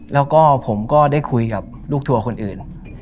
แล้วก็ผมก็ได้คุยกับลูกทัวร์คนอื่น